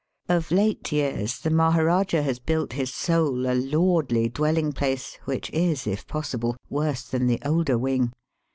Of late years the Maharajah has built his soul a lordly dwelling place, which is, if possible, worse than the older wing.